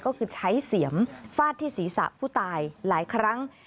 ก็คือใช้เสียมฟาดที่ศีรษะผู้ตายหลายครั้ง